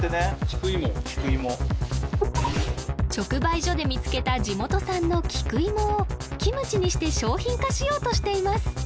直売所で見つけた地元産の菊芋をキムチにして商品化しようとしています